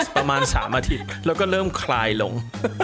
ประมาณ๓อาทิตย์แล้วก็เริ่มคลายลง